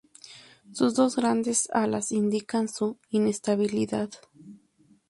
Sus dos grandes alas indican su inestabilidad.